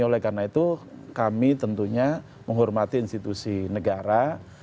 oleh karena itu kami tentunya menghormati institusi negara